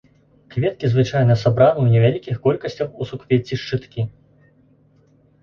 Кветкі звычайна сабраны ў невялікіх колькасцях ў суквецці-шчыткі.